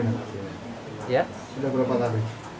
sudah berapa kali